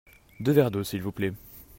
Deux verres d'eau s'il vous plait.